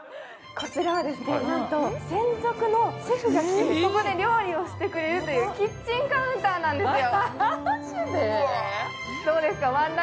こちらはなんと専属のシェフがここで料理をしてくれるというキッチンカウンターなんですよ。